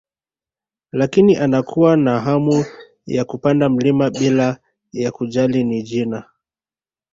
Lakini anakuwa na hamu ya kupanda mlima bila ya kujali ni jina